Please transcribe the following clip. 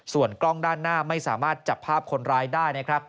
ส่วนกล้องด้านหน้าไม่สามารถจับภาพคนร้ายได้นะครับ